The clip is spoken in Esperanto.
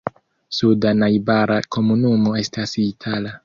Suda najbara komunumo estas Itala.